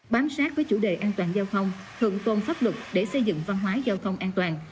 bám sát với chủ đề an toàn giao thông thượng tôn pháp luật để xây dựng văn hóa giao thông an toàn